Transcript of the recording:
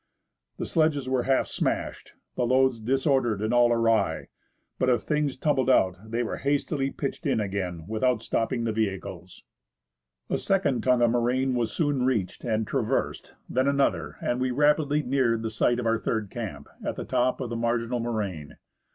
The sledges were half smashed, the loads disordered and all awry ; but if things tumbled out they were hastily pitched in again, without stopping the vehicles. A second tongue of moraine was soon reached and traversed, then another, and we rapidly neared the site of our third camp, at the top of the marginal moraine.